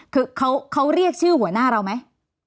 คือเขาเรียกชื่อหัวหน้าเราไหม